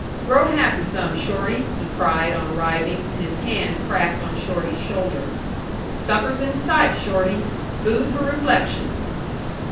Grow happy some, Shorty!" he cried on arriving, and his hand cracked on Shorty's shoulder. "Supper's in sight, Shorty. Food for reflection."